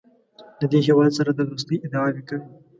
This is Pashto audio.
د دې هېواد سره د دوستۍ ادعاوې کوي.